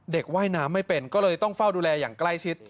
ว่ายน้ำไม่เป็นก็เลยต้องเฝ้าดูแลอย่างใกล้ชิด